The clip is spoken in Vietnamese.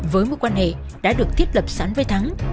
với mối quan hệ đã được thiết lập sẵn với thắng